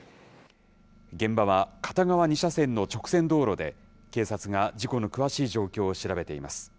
現場は片側２車線の直線道路で、警察が事故の詳しい状況を調べています。